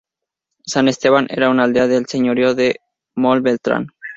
San Esteban era una aldea del señorío de Mombeltrán.